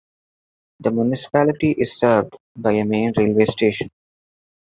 The municipality is served by a main railway station.